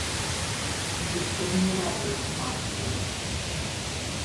Віктар не ладзіў з маткаю.